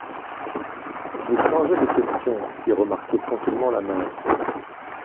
Vous changez de question, fit remarquer tranquillement la mère.